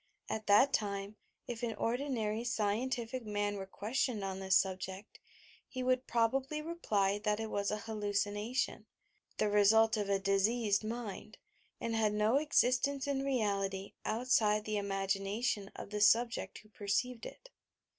At that time, if an ordinary scientific man were ques tioned on this subject, he would probably reply that it 1 hallucination, — the result of a diseased mind, and had no existence in reality outside the imagination of the subject who perceived it.